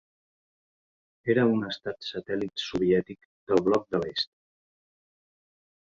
Era un estat satèl·lit soviètic del bloc de l'Est.